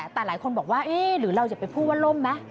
แต่หลายคนบอกว่าหรือเราจะไปพูดว่าล่มมั้ย